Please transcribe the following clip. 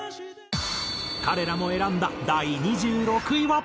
彼らも選んだ第２６位は。